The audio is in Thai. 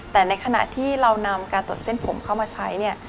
แต่ในขณะที่เรานำการตรวจเส้นผมเข้ามาใช้เนี่ย